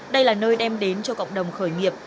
đây là nơi đem đến cho cộng đồng khởi nghiệp